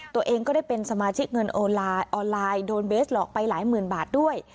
ตัวเองก็ได้เป็นสมาชิกเงินโอนออนไลน์โดนเบสหลอกไปหลายหมื่นบาทด้วย